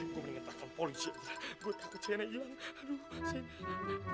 gue mendingan takut polisi aja gue takut shaina ilang